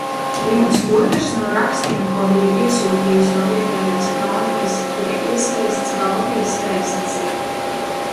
Viens otrs no rakstiem, ko biju iesūtījis no vietējās hronikas, tika iespiests Baltijas Vēstnesī.